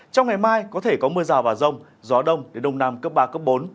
trong ngày mai có thể có mưa rào và rông gió đông đến đông nam cấp ba cấp bốn